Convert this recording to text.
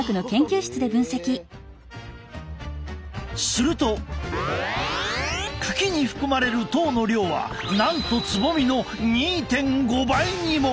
すると茎に含まれる糖の量はなんとつぼみの２．５倍にも！